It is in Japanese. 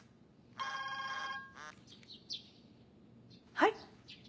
はい。